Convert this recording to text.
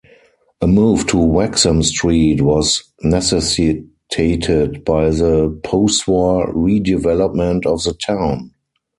A move to Wexham Street was necessitated by the postwar redevelopment of the town.